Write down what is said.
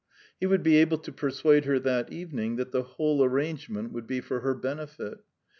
He would be able to persuade her that evening that the whole arrangement would be for her benefit.